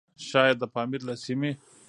شايد د پامير له سيمې؛